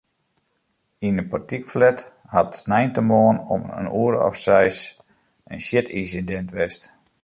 Yn in portykflat hat sneintemoarn om in oere of seis in sjitynsidint west.